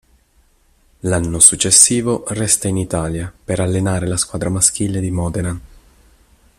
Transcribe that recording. L'anno successivo resta in Italia, per allenare la squadra maschile di Modena.